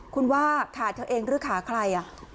คุณว่าขาเธอเองหรือขาใคร